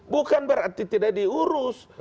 bukan berarti tidak diurus